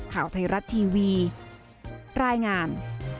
ข่าวไทยรัฐทีวีรายงาน